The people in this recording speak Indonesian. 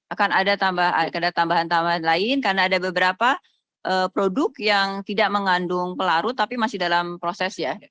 akan ada tambahan tambahan lain karena ada beberapa produk yang tidak mengandung pelarut tapi masih dalam proses ya